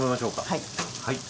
はい。